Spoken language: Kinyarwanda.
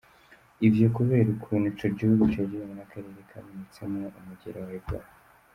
Ivyo kubera ukuntu ico gihugu cegeranye n'akarere kabonetsemwo umugera wa Ebola.